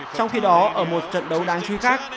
trong khi đó ở một trận đấu đáng chú ý khác